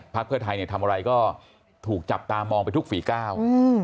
เพื่อไทยเนี่ยทำอะไรก็ถูกจับตามองไปทุกฝีก้าว